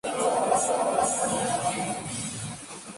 Sin embargo, no tienen intenciones de producir en masa la tecnología.